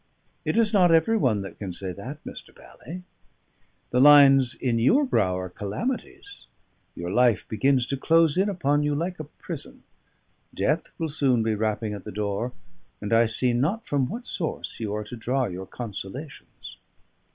It is not every one that can say that, Mr. Bally! The lines in your brow are calamities; your life begins to close in upon you like a prison; death will soon be rapping at the door; and I see not from what source you are to draw your consolations."